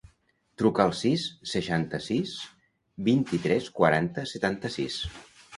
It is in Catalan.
Truca al sis, seixanta-sis, vint-i-tres, quaranta, setanta-sis.